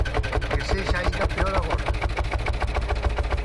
Que sexa aínda peor agora.